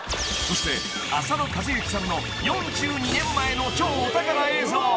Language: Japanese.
［そして浅野和之さんの４２年前の超お宝映像］